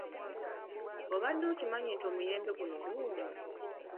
Obadde okimanyi nti omuyembe guno guwooma?